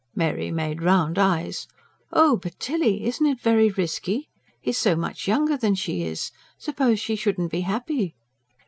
Mary made round eyes. "Oh, but Tilly!... isn't it very risky? He's so much younger than she is. Suppose she shouldn't be happy?"